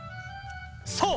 そう！